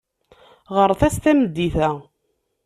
Ɣret-as tameddit-a.